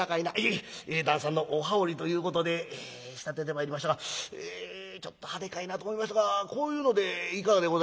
「ええ。旦さんのお羽織ということで仕立ててまいりましたがちょっと派手かいなと思いますがこういうのでいかがでございます？」。